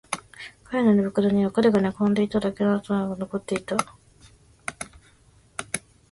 彼の寝袋には彼が寝転んでいた跡だけが残っていた